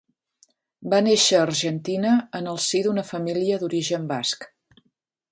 Va néixer a Argentina en el si d'una família d'origen basc.